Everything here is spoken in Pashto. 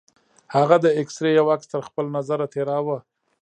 هغه د اکسرې يو عکس تر خپل نظره تېراوه.